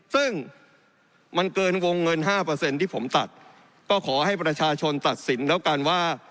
ซึ่งมันเกินวงเงิน๕ที่ผมตัดก็ขอให้ประชาชนตัดสินแล้วกันว่า